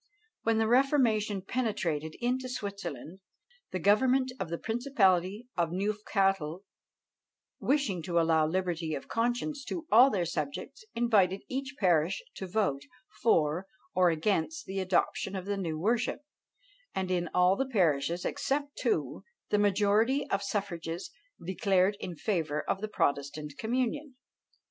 When the Reformation penetrated into Switzerland, the government of the principality of Neufchatel, wishing to allow liberty of conscience to all their subjects, invited each parish to vote "for or against the adoption of the new worship; and in all the parishes, except two, the majority of suffrages declared in favour of the protestant communion."